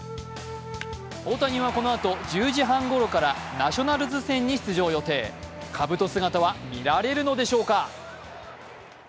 大谷はこのあと１０時半ごろからナショナルズ戦に出場予定、かぶと姿は見られるのでしょうか。